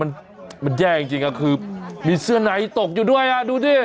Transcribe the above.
มันแย่จริงจริงอะคือมีเสื้อไหนตกอยู่ด้วยอ่ะ